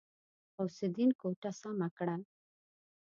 غوث الدين کوټه سمه کړه.